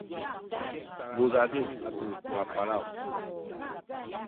mudadiw atu mapalaw